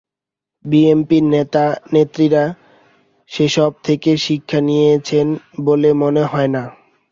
BNP নেতা নেত্রীরা সেসব থেকে শিক্ষা নিয়েছেন বলে মনে হয় না।